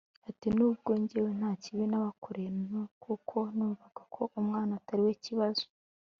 Ati “Nubwo njyewe nta kibi nabakoreye kuko numvaga ko umwana atari we kibazo